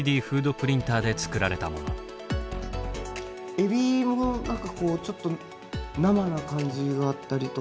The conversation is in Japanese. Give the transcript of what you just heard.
エビも何かこうちょっと生な感じがあったりとか。